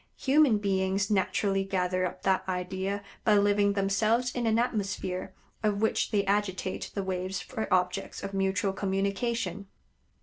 Human beings naturally gather up that idea by living themselves in an atmosphere of which they agitate the waves for objects of mutual communication.